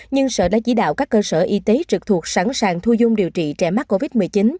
nhưng sở đã chỉ đạo các cơ sở y tế trực thuộc sẵn sàng thu dung điều trị trẻ mắc covid một mươi chín